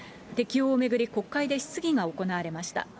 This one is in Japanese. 適用を巡り、国会で質疑が行われました。